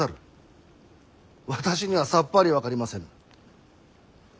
私にはさっぱり分かりませぬ。